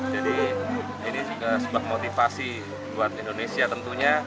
jadi ini juga sebab motivasi buat indonesia tentunya